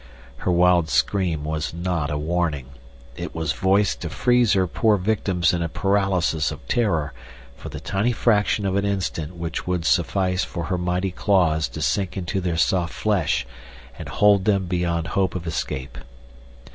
Her wild scream was not a warning. It was voiced to freeze her poor victims in a paralysis of terror for the tiny fraction of an instant which would suffice for her mighty claws to sink into their soft flesh and hold them beyond hope of escape.